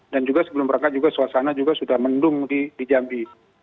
dan juga sebelum berangkat juga suasana juga sudah mendung di jambi